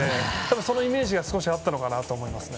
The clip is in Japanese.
そのイメージが少しあったのかなと思いますね。